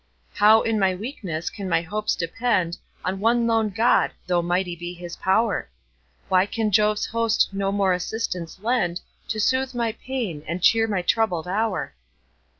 How in my weakness can my hopes depend On one lone God, though mighty be his pow'r? Why can Jove's host no more assistance lend, To soothe my pains, and cheer my troubled hour?